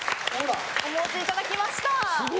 お持ちいただきました。